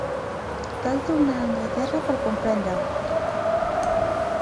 Cal tornar a Anglaterra per a comprendre-ho.